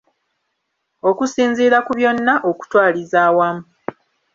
Okusinziira ku byonna okutwaliza awamu